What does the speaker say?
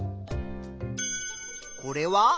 これは？